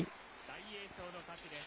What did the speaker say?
大栄翔の勝ちです。